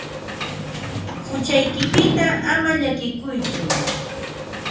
Huchaykipita ama llakikuytsu.